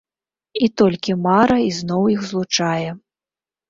І толькі мара ізноў іх злучае.